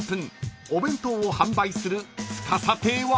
［お弁当を販売する司亭は？］